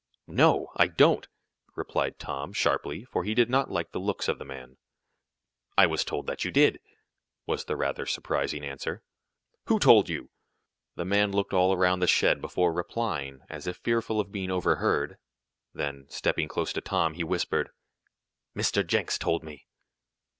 "No, I don't!" replied Tom, sharply, for he did not like the looks of the man. "I was told that you did," was the rather surprising answer. "Who told you?" The man looked all around the shed, before replying, as if fearful of being overheard. Then, stepping close to Tom, he whispered: "Mr. Jenks told me!"